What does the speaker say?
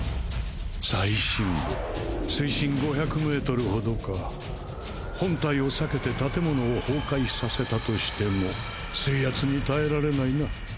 最深部水深５００ｍほどか本体を避けて建物を崩壊させたとしても水圧に耐えられないな。